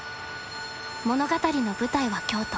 物語の舞台は京都。